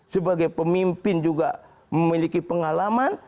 sebagai pemimpin juga memiliki pengalaman